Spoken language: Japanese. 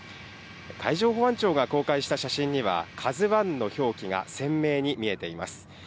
海上保安庁が公開した写真にはカズワンの表記が鮮明に見えています。